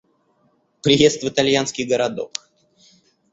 Приезд в итальянский городок.